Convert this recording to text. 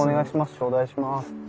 頂戴します。